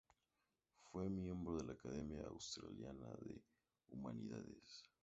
Fue miembro de la Academia Australiana de Humanidades.